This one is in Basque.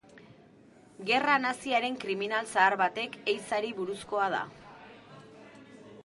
Gerra naziaren kriminal zahar baten ehizari buruzkoa da.